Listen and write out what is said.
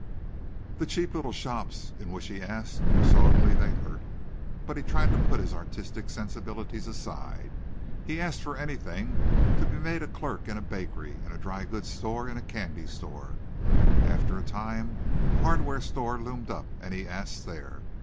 The cheap little shops in which he asked were so ugly they hurt, but he tried to put his artistic sensibilities aside. He asked for anything, to be made a clerk in a bakery, in a dry goods store, in a candy store. After a time a hardware store loomed up, and he asked there.